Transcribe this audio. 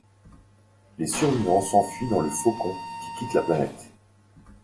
Les survivants s'enfuient dans le faucon qui quitte la planète.